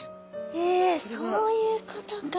えそういうことか。